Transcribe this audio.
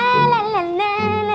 jangan lupa like share dan subscribe